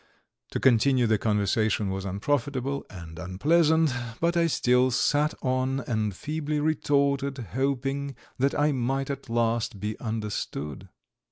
To continue the conversation was unprofitable and unpleasant, but I still sat on and feebly retorted, hoping that I might at last be understood.